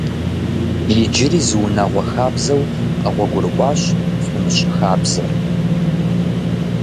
Иджыри зы унагъуэ хабзэу къэгъуэгурыкӏуащ «цымыщӏ» хабзэр.